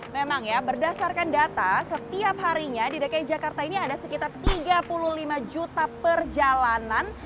memang ya berdasarkan data setiap harinya di dki jakarta ini ada sekitar tiga puluh lima juta perjalanan